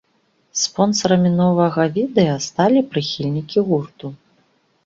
Спонсарамі новага відэа сталі прыхільнікі гурту.